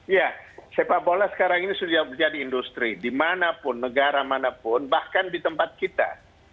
ya sepak bola sekarang ini sudah menjadi industri dimanapun negara manapun bahkan di tempat kita